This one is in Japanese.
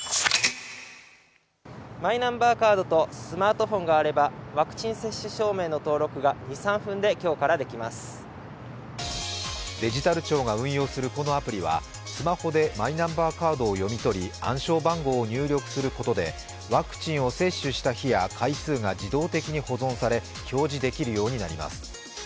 マイナンバーカードとスマートフォンがあればワクチン接種証明の登録がデジタル庁が運用するこのアプリはスマホでマイナンバーカードを読み取り暗証番号を入力することでワクチンを接種した日や回数が自動的に保存され表示できるようになります。